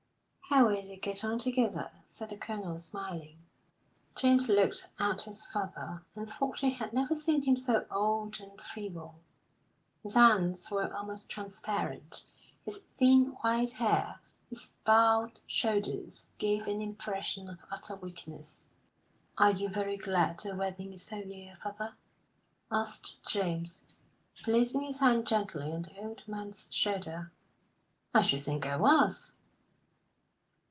"How well they get on together," said the Colonel, smiling. James looked at his father, and thought he had never seen him so old and feeble. His hands were almost transparent; his thin white hair, his bowed shoulders, gave an impression of utter weakness. "Are you very glad the wedding is so near, father?" asked James, placing his hand gently on the old man's shoulder. "I should think I was."